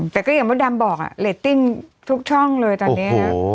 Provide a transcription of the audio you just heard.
แต่ก็อย่างมดดำบอกเรตติ้งทุกช่องเลยตอนนี้นะ